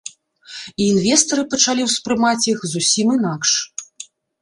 І інвестары пачалі ўспрымаць іх зусім інакш.